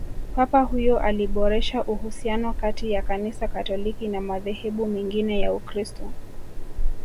papa huyo aliboresha uhusiano kati ya kanisa katoliki na madhehebu mengine ya ukristo